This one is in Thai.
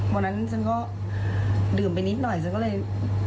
วันนั้นฉันก็ดื่มไปนิดหน่อยฉันก็เลย